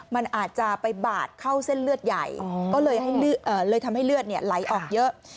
มันอาจจะไปบาดเข้าเส้นเลือดใหญ่ก็เลยทำให้เลือดไหลออกเยอะ